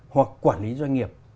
hoặc quản lý doanh nghiệp